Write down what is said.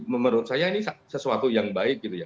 menurut saya ini sesuatu yang baik gitu ya